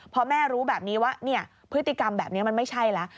พอแม่รู้แบบนี้ว่าพฤติกรรมแบบนี้มันไม่ใช่แล้ว